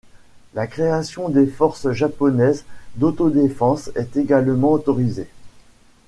La création des forces japonaises d'autodéfense est également autorisée.